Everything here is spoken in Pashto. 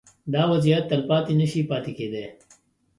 دا وضعیت تلپاتې نه شي پاتې کېدای.